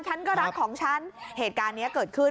ฉันก็รักของฉันเหตุการณ์นี้เกิดขึ้น